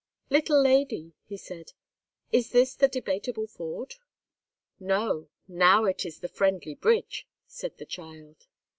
"Little lady," he said, "is this the Debateable Ford?" "No; now it is the Friendly Bridge," said the child.